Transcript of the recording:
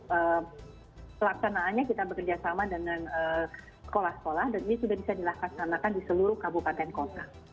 pelaksanaannya kita bekerjasama dengan sekolah sekolah